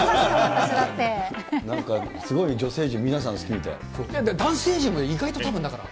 すごい女性陣、皆さん好きみ男性陣も意外とたぶんだから。